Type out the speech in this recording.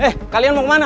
eh kalian mau kemana